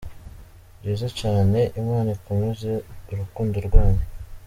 Byiza cyane Imana ikomeze urukundo rwanyu.